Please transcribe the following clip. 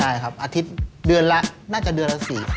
ใช่ครับอาทิตย์เดือนละน่าจะเดือนละ๔๐๐